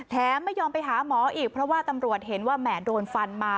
ไม่ยอมไปหาหมออีกเพราะว่าตำรวจเห็นว่าแหม่โดนฟันมา